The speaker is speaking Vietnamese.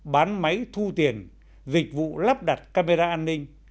bán máy thu tiền dịch vụ lắp đặt camera an ninh